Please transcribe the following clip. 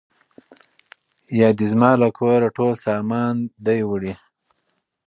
یا دي زما له کوره ټول سامان دی وړی